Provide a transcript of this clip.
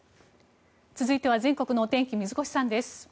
続いては全国の天気水越さんです。